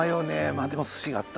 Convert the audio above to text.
まあでも寿司があった。